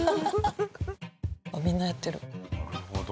あっみんなやってる。